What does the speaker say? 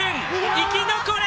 生き残れ！